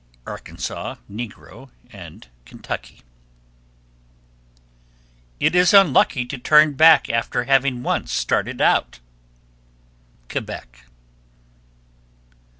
Arkansas (negro), and Kentucky. 1273. It is unlucky to turn back after having once started out. _Quebec.